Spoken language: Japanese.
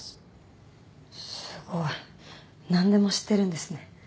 すごい。何でも知ってるんですね。